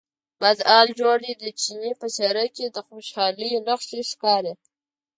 بد حال جوړ دی، د چیني په څېره کې د خوشالۍ نښې ښکارې.